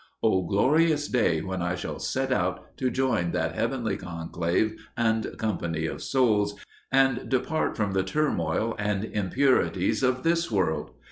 Oh glorious day when I shall set out to join that heavenly conclave and company of souls, and depart from the turmoil and impurities of this world!